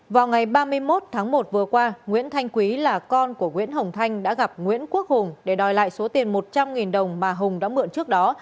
vào ngày ba mươi một tháng một vừa qua nguyễn thanh quý là con của nguyễn hồng thanh đã gặp nguyễn quốc hùng để đòi lại số tiền một trăm linh đồng mà hùng đã mượn trước đó